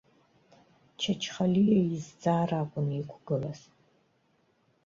Чачхалиа изҵаара акәын иқәгылаз.